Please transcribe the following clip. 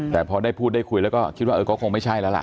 แต่พอได้พูดได้คุยแล้วก็คิดว่าเออก็คงไม่ใช่แล้วล่ะ